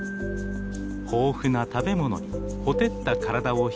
豊富な食べ物にほてった体を冷やす雪。